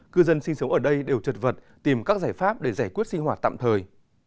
cư dân sinh sống ở đây đều trật vật tìm các giải pháp để giải quyết sinh hoạt tạm thời